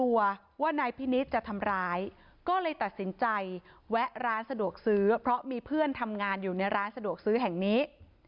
แวะร้านสะดวกซื้อเพราะมีเพื่อนทำงานอยู่ในร้านสะดวกซื้อแห่งนี้